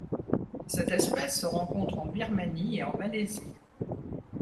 Cette espèce se rencontre en Birmanie et en Malaisie.